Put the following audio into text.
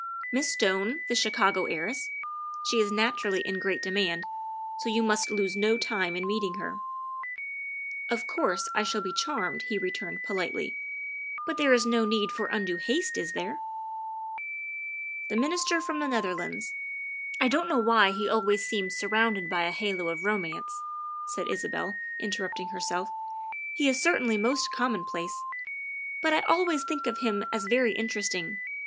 '' Miss Stone, the Chicago heiress ; she is naturally in great demand, so you must lose no time in meeting her. '''' Of course, I shall be charmed, '' he returned politely, '' but there is no need for undue haste, is there ?''" The Minister from the Netherlands. I don't know why he always seems surrounded by a halo of romance, '' said Isabel, interrupting herself, " he is certainly most commonplace, but I always think of him as very inter esting.